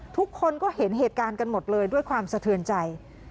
ทุกคนก็เห็นเหตุการณ์กันหมดเลยด้วยความสะเทือนใจ